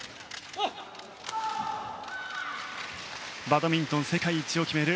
バドミントン世界一を決める